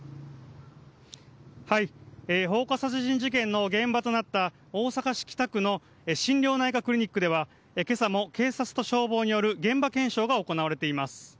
放火殺人事件の現場となった大阪市北区の心療内科クリニックではけさも警察と消防による現場検証が行われています。